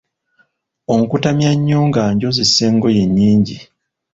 Onkutamya nnyo nga onjozesa engoye nnyingi.